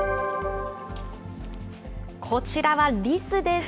こちらはリスです。